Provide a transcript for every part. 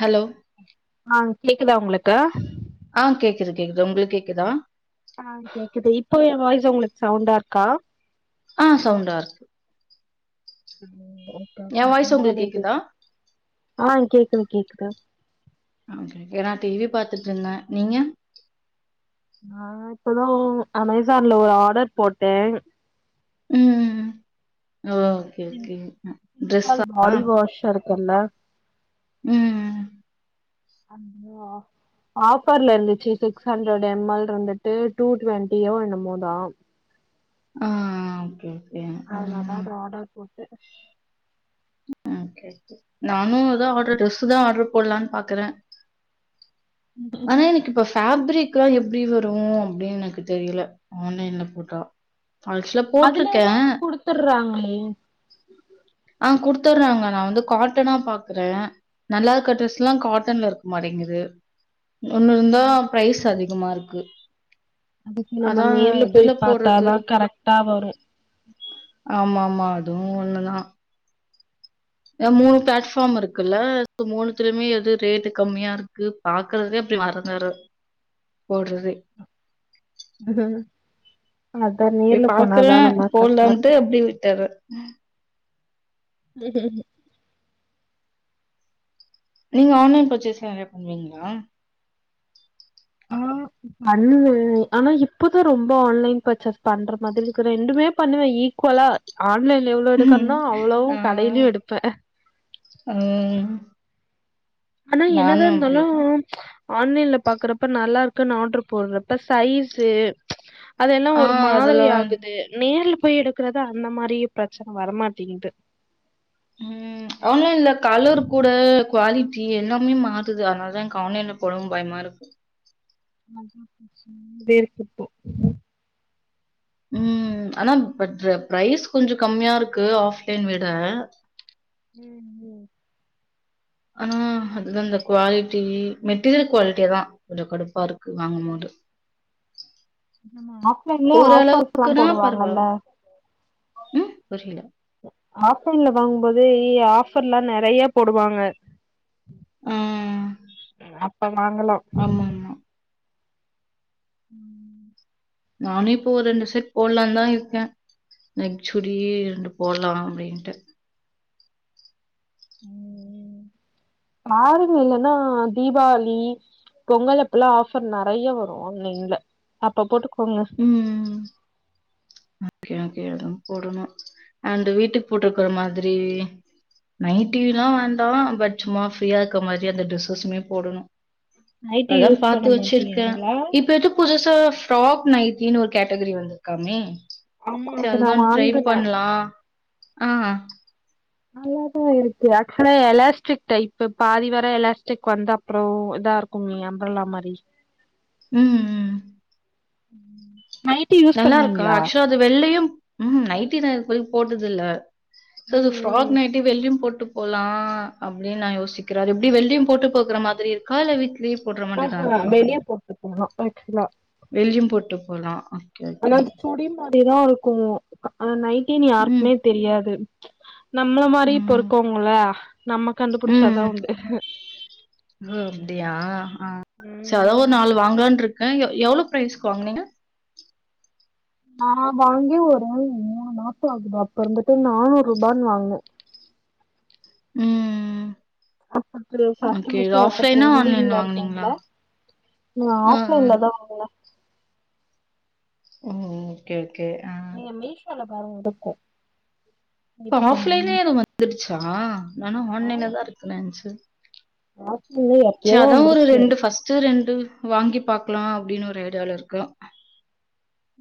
Hello ஆ கேக்குதா உங்ளுக்கு ஆ கேக்குது கேக்குது உங்களுக் கேக்குதா ஆ கேக்குது இப்போ எ வாய்ஸ் உங்களுக்கு சவுண்டா இருக்கா ஆ சவுண்டா இருக்கு என் வாய்ஸ் உங்களுக்கு கேக்குதா ஆ கேக்குது கேக்குது ஆ ஏ நா டி வி பாத்துட்டு இருந்த நீங்க நா இப்பதா அமேசான்ல ஒரு ஆர்டர் போட்ட ம் ம் ம் சிந்தால் பாடி வாஷ் இருக்குல்ல ம் அம்மா ஆஃபர்ல இருந்திச்சு சிக்ஸ் ஹண்ட்ரட் எம் எல் இருந்துட்டு ட்டூ டுவெண்ட்டியோ என்னமோதா ஆ ஓகே ஓகே அதனால ம் அத ஆடர் போட்டு ஓக்கே ஓகே நானு ஏதா ஆரடர் ட்ரெஸ் தா ஆர்டர் போடலான் பாக்குற ஆனா எனக்கு இப்ப ஃபேப்ரிக்லா எப்டி வரு அப்டின் எனக்கு தெரியல ஆன்லைன்ல போட்டா ஃபால்ஸ்ல போட்ருக்க கூப்புட்றாங்களே ஆ குடுத்துறாங்க நா வந்து காட்டனா பாக்குற நல்லா இருக்க ட்ரஸ்ல்லா காட்டன்ல இருக்க மாட்டேங்குது ஒன்னு இருந்தா ப்ரைஸ் அதிகமாருக்கு அதுக்கு நம்ம நேர்ல பொய் பாத்தாதா கரக்டா வரு ஆம்மாமா அதுவு ஒன்னுதா எ மூணு ப்ளாட்ஃப்பாம் இருக்கு க்குல்ல அதுக்கு மூணுத்லிய்மே எது ரேட்டு கம்மியா இருக்கு பாக்குறத்லே அப்டி மறந்துறு போட்றதே ம் ஏ பாக்குற நம்ம கரெக்டா போட்லான்ட்டு இருக்கு அப்டே விட்டற்ற உம் உம் நீங்க ஆன்லைன் பர்ச்சேஸ் நெறயா பண்வீங்ளா ஆ பண்ணுவ ஆனா இப்பதா ரொம்ப ஆன்லைன் பர்ச்சஸ் பண்ற மாதிருக்கு ரெண்டுமே பண்ணுவ ஈக்வலா ஆன்லைன்ல எவ்ளோ எடுக்கர்னோ அவ்ளோவு கடைல்யு எடுப்ப ஆ ஹனல் என்னதா இர்ந்தாலு அப்படிதான் ஆன்லைன்ல பாக்குறப்ப நல்லார்க்குன் ஆட்ரு போட்றப்ப சைஸு அது எல்லா ஒரு ஆஹ் மாதுரி அதெல்லாம் ஆகுது நேர்ல போய் எடுக் க்குறது அந்த மாரி ப்ரச்சன வரமாட்டிங்து ஆன்லைன்ல கலர் கூட குவாலிட்டி எல்லாமே மாறுது அத்னாலதா எனக்கு ஆன்லைன்ல போடவு பயமாருக் தேர்க் இப்போ ம் ஆனா பட்ரு ப்ரைஸ் கொஞ்ச கம்மியாருக்கு ஆஃப்லைன் விட ம் ம் ஆ அதுதா அந்த குவாலிட்டி மெட்டீரியல் குவாலிட்டியேதா கொஞ்சோ கடுப்பாருக்கு வாங்கும்மோது நம்ம ஆஃப்லைன்லே ஆஃபர்ஸ்லா ஓரளவுக்குன்னா போடுவாங்கல்ல பரவால்ல. ம். புரியல. ஆஃப்லைன்ல வாங்கும்போதே இ ஆஃபர்ல்லா நெறைய போடுவாங்க ஆ. அப்ப வாங்கலா ஆம்மம்மா ம் நானு இப்ப ஒர் ரெண்டு செட் போட்லாந்தா இர்க்கே நெக் சுடி ரெண்டு போட்லா அப்டின்ட்டு ம் ம் பாருங்க இல்லன்னா தீபாளி பொங்கல் அப்பல்லா ஆஃபர் நறைய வரு ஆன்லைன்ல அப்ப போட்டுகோங்க ம் ஓகே ஓகே அது போடணு அந்த வீட்டுக் போட்டுர்க்குற மாத்ரி நைட்டிலா வேண்டா பட் சும்மா ஃப்ரீயா இர்க்க மாத்ரி அந்த டிரெஸ்ஸஸ்மே போடணு நைட்டி அதா யூஸ் பண்ண பாத்து வச்சிருக்க மாட்டீங்களா இப்ப எது புதுசா ஃப்ராக் நைட்டினு ஒரு கேட்டகிரி வந்துருக்காமே ஆமா சி அது நா அதுதா ட்ரை வாங்குனே பண்லா ஆ நல்லாதா இருக்கு ஆக்சுவலா எலாஸ்டிக் டைப்பு பாதி வர எலாஸ்டிக் வந்தா ப்றோ இதா இருக்குமி அம்பர்லா மாரி ம் ம். ம் நல்லா இருக்கா ஆக்சுவலா அது வெள்ளயு ம் நைட்டிதா அதுக்கு பதில் போட்டது இல்ல ம் [unintelligible] ஃப்ராக் ம் நைட்டி வெள்ளயு போட்டு போகலா அப்டின்னு நா யோசிக்கி அது எப்டி வெள்ளயு போட்டு போகுற மாதிரி இருக்கா இல்ல வீட் லிவு போட்ர மா ம்ஹு வெளிய போட்டு போலா ஆச்சொலா வெளியு போட்டு போலா ஆனா சுடி மாதிரி தா இருக்கு நைட்டினு ம், யாருக்குமே தெரியாது நம்மள மாரி இப்ப ம். இருக்கோங்கள நம்ம கண்டுபுடிச்சாதா ம். உண்டு ஓ அப்டியா ஆ சோ அதோ ஒரு நாலு வாங்கலான்ட்டுருக்கேன் எ எவ்வளோ பிரைஸ்க்கு வாங்குனீங்க நா வாங்கி ஒரு மூணு மாசொம் ஆகுது அப்ப இருந்துட்டு நானூறு ரூபான்னு வாங்குனே ம் ம் அப்ப [unintelligible] ஓகே. இது ஃபஸ்ட்டு அப்ப ஆஃப்லைனா, ஆன்லைன்ல ட்ரெண்டிங்ல வாங்குனீங்களா? இருக்குலே நா ஆ, ஆ. ஆஃப்லைன்ல தா வாங்குனே ம் ம் கே ஓகே ஆஹ் நீங்க மீஷோல பாருங்க இருக்கு இப்ப ஆஃப்லைன்லயு அது வந்துருச்சா நா இன்னு ஆ ஆன்லைன்ல தா இருக்கன்னு நெனச்சே ஆஃப்லைன்ல எப்பயோ வந்துருச்சு சோ ரெண்டு வாங்கிப் பாக்க்கலா அப்டின்னு ஒரு ஐடியாவில இருக்கே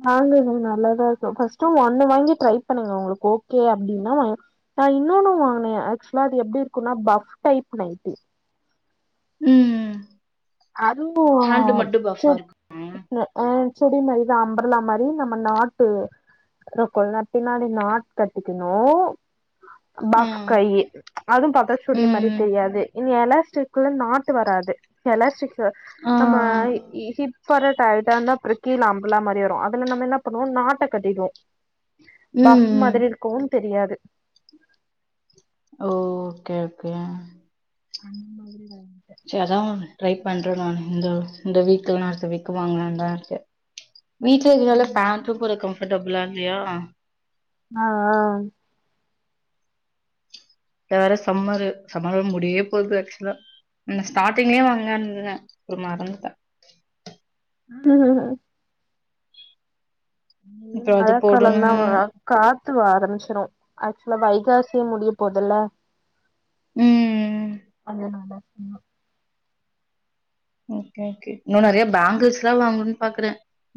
வாங்குங்க நல்லா தா இருக்கு ஃபர்ஸ்ட்டு ஒண்ணு வாங்கி ட்ரை பண்ணுங்க உங்களுக்கு ஓகே அப்டின்னா வாங்க் நா இன்னொன்னு வாங்கினே ஆக்சுவலா அது எப்பிடி இருக்குனா பஃப் டைப் நைட்டி ம் அதுவு ஹேண்டு மட்டும் சொ பஃபா இருக்குமா? அஹ் செரிம்மா இது அம்ப்ரெல்லா மாரி நம்ம நாட்டு ரோ [unintelligible] பின்னாடி நாட் கட்டிக்கணு ஆ. பஃப் கையி அதுவு பாத்தா சுடி மாரி ம். தெரியாது இனி எலாஸ்டிக்குள்ள நாட்டு வராது எலாஸ் து ஆ. நம்ம ஹிப் ப் வர டைட்டா இருந்தா அப்புறொ கீழ அம்ப்ரெல்லா மாரி வரும் அதுல நம்ம என்ன பண்ணுவோ நாட்ட கட்டிடுவோ பஃப் ம். மாதிரி இருக்கு தெரியாது ஓ ஓகே ஓகே அந்த மாரி வாங்கிட்டே சேரி அதா ட்ரை பண்றே நானு இந்த இந்த வீக்கு இல்லன்னா அடுத்த வீக்கு வாங்கலா தா இருக்கே வீட்ல இருக்கிறதுனால ம் பேண்ட்டு போட கம்பர்டபிலா இல்லையா ஆஹ் அஹ் வேற சம்மரு சம்ம முடிய போகுது ஆக்சுவலா நா ஸ்டார்ட்டிங்லயே வாங்கறதா இருந்தே அப்பறோ மறந்துட்டே ம் ம் இனி இப்ப அது மழக் கால போடணு தா வரா காத்து வ ஆரம்பிச்சிரு ஆக்சுவலா வைகாசியே முடியப் போதுல்ல ம் அதனால ம் ஓகே ஓகே இன்னு நெறைய பாங்கிள்ஸ் எல்லா வாங்கணு பாக்குறே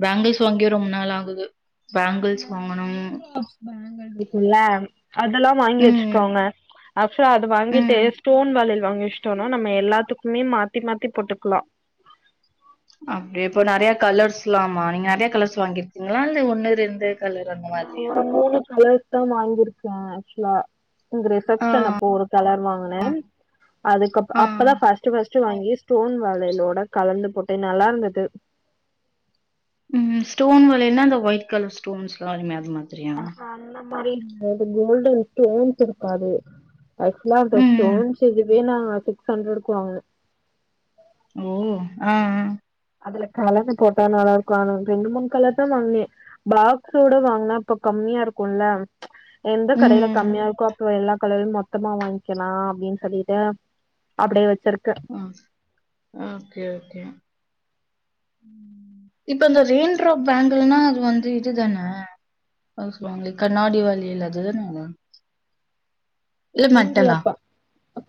பாங்கிள்ஸ் வாங்கியே ரொம்ப நாள் ஆகுது பாங்கிள்ஸ் வாங்கணு [unintelligible] கும்ல அதெல்லா வாங்கி ம் வச்சுக்கோங்க [unintelligible] அத வாங்கிட்டு ம் ஸ்டோன் வளையல் வாங்கி வச் ட்டோம்னா நம்ம எல்லாத்துக்குமே மாத்தி மாத்தி போட்டுக்கலா அப்பிடியா இப்போ நெறைய கலர்ஸ்லாமா நீங்க நெறைய கலர்ஸ் வாங்கிருக்கீங்களா இல்ல ஒண்ணு ரெண்டு கலர் அந்த நா மாதிரியா ஒரு மூணு கலர்ஸ் தா வாங்கிருக்கேன் ஆக்சுவலா உங்க ரிசப்ஷன் அப்போ ஒரு கலெர் வாங்குனேன் அதுக்கு அப்ப ஆ அப்பதா ஃபஸ்ட்டு ஃபஸ்ட் ட்டுவாங்கி ஸ்டோன் வளையலோட கலந்து போட்டே நல்லா இருந்தது ம் ஸ்டோன் வளையன்னா அந்த ஒயிட் கலர் ஸ்டோன்ஸ்ல்லா வருமே அது மாரி அ அந்த மாரி இல்ல அது கோல்டன் ஸ்டோன்ஸ் இருக்காது ஆக்சுவலா அந்த ம் ஸ்டோன்ஸ் இதுவே நான் சிக்ஸ் ஹண்ட்ரடுக்கு வாங்குனே ஓ அ அ அதுல கலந்து போட்டா நல்லா இருக்கு ஆனா ரெண்டு மூணு கலர் தா வாங்குனே பாக்ஸோட வாங்கினா இப்ப கம்மியா இருக்கும்ல ச்சு எந்த கடையில ம் கம்மியா இருக்கோ அப் போ எல்லா கலரையும் மொத்தமா வாங்கிக்கலா அப்டின்னு சொல்லிட்டு அப்டியே வச்சிருக்கே ம் ஓகே ஓகே இப்ப இந்த ரெயின்ட்ராப் பேங்கல்னா அது வந்து இதுதான ஏதோ சொல்லுவங்களே கண்ணாடி வளையல் அதுதானவா ரெயின்ட்ராப்பா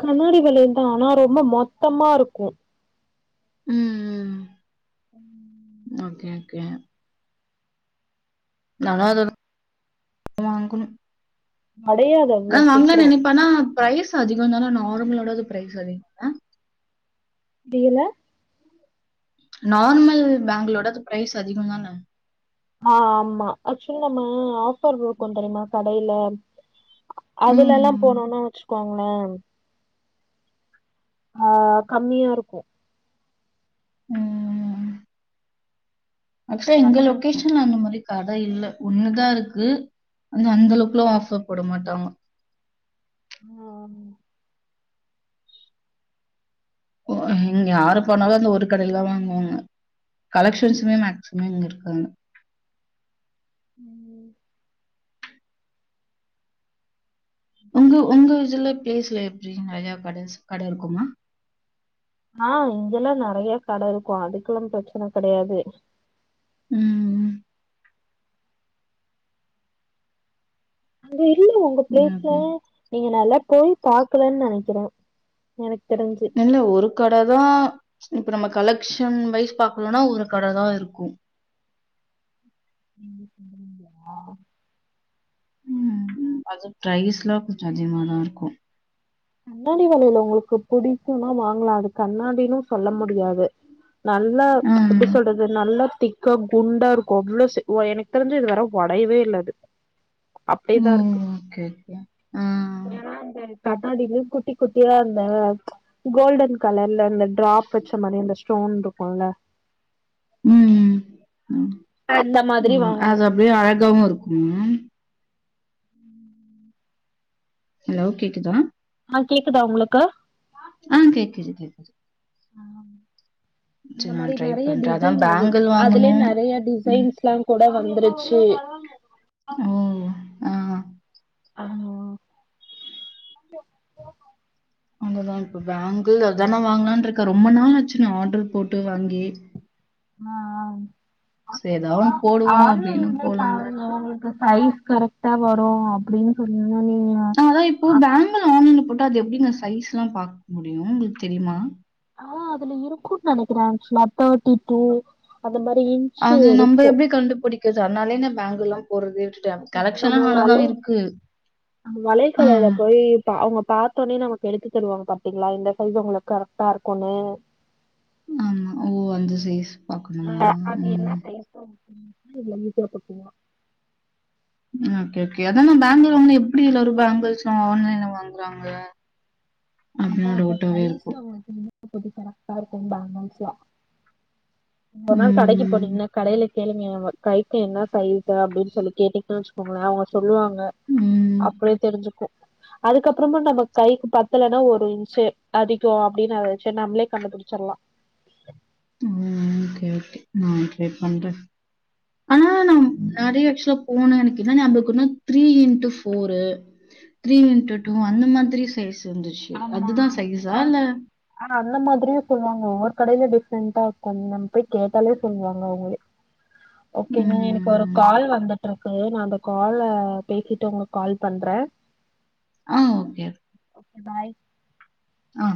கண்ணாடி வளையல் தா ஆனா ரொம்ப மொத்தமா இருக்கு ம் ம் ஓகே ஓகே நல்லாதா அது அடையாத அத வாங்கலான்னு நினைப்பானா பிரைஸ் அதிகம் தானா நார்மலோடுது பிரைஸ் அதிகம் தானா பில நார்மல் பேங்க்லோட அது பிரைஸ் அதிகம் தான ஆ ஆமா ஆக்சுவலி நம்ம ஆஃபர் பில் கொண்டுவரமோ கடையில அதுல எல்லா ம். போனோனா வச்சிக்கோங்களே ஆ கம்மியா இருக்கு ம் ம் ம் ஆக்சுவலா எங்க லொக்கேஷன் அந்த மாரி கட இல்ல ஒண்ணுதா இருக்கு அந்த அளவுக்குலா ஆஃபர் போட மாட்டாங்க ஆ ஓ இங்க யாரு போனாலு அந்த ஒரு கடைல தா வாங்குவாங்க கலெக்ஷன்ஸ்மே மேக்சிமம் இங்க இருக்காது ம் உங்க உங்க இதுல பிளேஸ்ல எப்டி நெறையா கடைஸ் கட இருக்குமா ஆ இங்கெல்லா நெறைய கட இருக்கு அதுக்கெல்லா பிரச்சன கெடையாது ம் அங்க இல்ல உங்க பிளேஸ்ல ஓகே. நீங்க நல்லா போய் பாக்கலன்னு நெனைக்கிறே எனக்கு தெரிஞ் இல்ல ஒரு கடதா ம்ச் இப்ப நம்ம கலெக்ஷன் வைஸ் பாக்கனும்னா ஒரு கடதா இருக்கு ம் ம் ஆ ம் ம் அது பிரைஸ்லா கொஞ்சோ அதிகமாதா இருக்கு கண்ணாடி வளையல் உங்களுக்கு புடிக்கும்மா வாங்கலா அது கண்ணாடினு சொல்ல முடியாது நல்லா ம்ச் எப்டி ம். சொல்றது நல்லா திக்கா குண்டா இருக்கூ அவ்ளோ எனக்கு தெரிஞ்சி இது வர ஒடையவே இல்ல அது ஓ! அப்டேதா இருக்கு ஓகே, ஓகே. ஆ. கண்ணாடியிலுமே குட்டி குட்டியா அந்த கோல்டன் கலர்ல அந்த ட்ராப் வச்ச மாரி அந்த ஸ்டோன் இருக்குல்ல ம் ம் அந்த மாதிரி ம் வாங்கனு அது அப்டியே அழகாவு இருக்குங்க ஹலோ கேக்குதா ஆ கேக்குதா உங்களுக்கு ஆ கேக்குது கேக்குது அந்த சரி மாரி நான் ட்ரை நறைய பண்றேன். அதான் டிசைன் அது பேங்கிள் அதுலயே வாங்கணும். நெறைய ம். டிசைன்ஸ்லாம் கூட வந்துருச்சு ஓ ஆ ஆமாவா அங்கதா இப்ப பேங்கல் அதான வாங்கலான்ட்டு இருக்கே ரொம்ப நாள் ஆச்சி நா ஆர்ட்ரு போட்டு வாங்கி ஆ சரி ஏதாவது ஒண்ணு ஆ போடுவோம் அப்படின்னு ஆன்லைன்லியே போலான்னு தான் பாருங்க இருக்கு. உங்குளுக்கு சைஸ் கரெக் கரேக்ட்டா வரு அப்டினு சொன்னீங்க நீங்க அதா இப்போ பேங்கிள் ஆன்லைன்ல போட்டா அது எப்டிங்க சைஸ் எல்லா பாக்க முடியு உங்குளுக்கு தெரியுமா ஆ அதுல இருக்கூன் நெனைக்கிற ஆக்சுலா தேர்ட்டி டூ அந்த மாரி இஞ் இருக்கூ கண்டுபுடி இருக்குது அதுனாலயே நா பேங்குல்லா போட்றதே விட்டுட்ட இப்ப கலெக்க்ஷன்லா நம்ம நல்லா தா வலை இருக்கு ஆ அவுங்க பாத்தோனே நமக்கு எடுத்து தருவாங்க பாத்தீங்களா இந்த சைஸ் அவுங்களுக்கு கரெக்டா இருக்கூனு ஆமா ஓ அந்த சைஸ் பார்க்கணுமா? ம். [unintelligible] ம் ஓகே ஓகே அதான பேங்குள் வாங்குனா எப்டி எல்லாரு பேங்குள்ஸ்லா ஆன்லைன்ல வாங்குறாங்க அப்படின்னு அதான் அப்ப டவுட்டாவே சைஸ் இருக்கும். [unintelligible] அப்போதக்கி கரைக்டா இருக்கூ பேங்குள்ஸ்லா ம். கேளுங்க எ கைக்கி என்ன சைஸ் அப்டினு சொல்லி கேட்டிங்னா வச்சுக்கோங்களே அவுங்க சொல்லுவாங்க ம். அ அப்டியே தெரிஞ்சுக்கூ அதுக்கப்புறமா நம்ம கைக்கு பத்தல னா ஒரு இன்ச்சு அதிகோ அப்டினு அத வச்சே நம்ளே கண்டுபுடிச்சிடலா ஆ ஓகே ஓகே நா ட்ரை பண்றே ஆனா நா நறையா ஆக்சுலா போன அண்ணக்கி ஞாபகொனா three into four three into two அந்த மாதிரி சைஸ் இந்துச்சு அதுதா சைஸா இல்ல ஆனா அந்த மாதிரியு சொல்வாங்க ஒவ்வொரு கடையில டிஃப்ரெண்டா இருக்கூ நம்ம போயி கேட்டாலே சொல்வாங்க அவுங்களே ஓகேங்க எனக்கு ஒரு ம். கால் வந்துட்ருக்கு நா அந்த கால பேசிட்டு உங்களுக்கு கால் பண்ற ஆ ஓகே பாய் ஆ